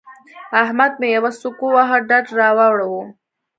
احمد مې يوه سوک وواهه؛ ډډ را واړاوو.